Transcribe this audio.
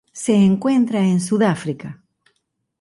Es encuentra en Sudáfrica.